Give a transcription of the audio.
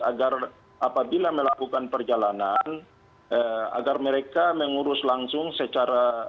agar apabila melakukan perjalanan agar mereka mengurus langsung secara